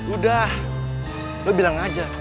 udah lo bilang aja